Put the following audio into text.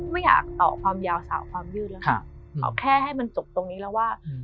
ไม่อยากต่อความยาวสาวความยืดแล้วค่ะเอาแค่ให้มันจบตรงนี้แล้วว่า